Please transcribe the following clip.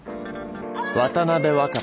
渡辺若葉。